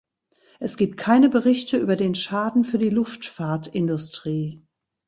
Es gibt keine Berichte über den Schaden für die Luftfahrtindustrie.